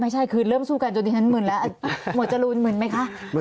ไม่ใช่คือเริ่มสู้กันจนดิฉันหมื่นแล้วหมวดจรูนหมื่นไหมคะ